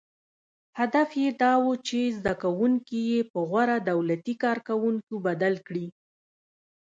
• هدف یې دا و، چې زدهکوونکي یې په غوره دولتي کارکوونکو بدل کړي.